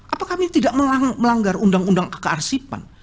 apakah ini tidak melanggar undang undang kearsipan